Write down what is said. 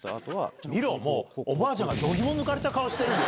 見ろ、おばあちゃんが度肝抜かれた顔してるぞ。